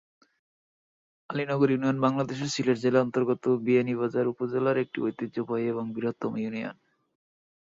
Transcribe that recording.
Alinagar union বাংলাদেশের সিলেট জেলার অন্তর্গত বিয়ানীবাজার উপজেলার একটি ঐতিহ্যবাহী ও বৃহত্তম ইউনিয়ন।